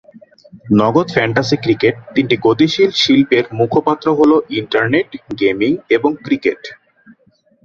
নগদ fantasy cricket তিনটি গতিশীল শিল্পের মুখপাত্র হ'ল ইন্টারনেট, গেমিং এবং ক্রিকেট।